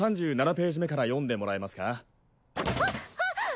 ３７ページ目から読んでもらえますかわっはっ！